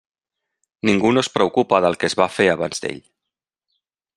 Ningú no es preocupa del que es va fer abans d'ell.